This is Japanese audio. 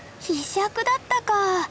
ひしゃくだったか。